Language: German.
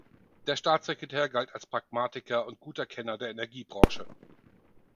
Der Staatssekretär galt als Pragmatiker und guter Kenner der Energiebranche.